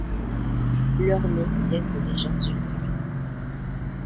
Leurs noms viennent de légendes ultérieures.